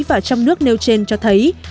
và trong nước nêu trên cho thấy